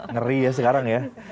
ngeri ya sekarang ya